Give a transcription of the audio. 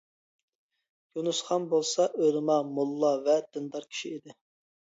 يۇنۇس خان بولسا، ئۆلىما، موللا ۋە دىندار كىشى ئىدى.